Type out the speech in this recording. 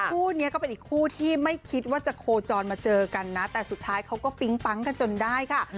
คู่นี้ก็เป็นอีกคู่ที่ไม่คิดว่าจะโคจรมาเจอกันนะแต่สุดท้ายเขาก็ปิ๊งปั๊งกันจนได้ค่ะ